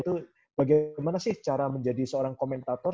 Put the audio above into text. itu bagaimana sih cara menjadi seorang komentator